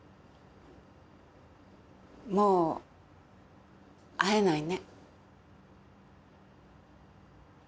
もう会えないね。